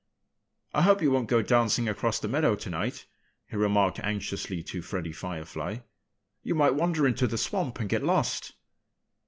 "I hope you won't go dancing across the meadow tonight," he remarked anxiously to Freddie Firefly. "You might wander into the swamp and get lost."